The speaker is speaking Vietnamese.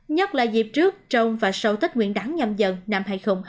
nhất là dịp trước trong và sau tết nguyên đáng nhâm dần năm hai nghìn hai mươi hai